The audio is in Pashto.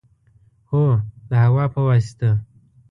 هو، د هوا په واسطه